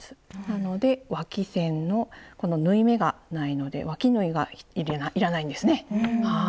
なのでわき線のこの縫い目がないのでわき縫いがいらないんですね。